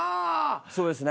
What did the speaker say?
そうですね。